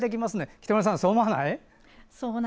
北村さん、そう思わない？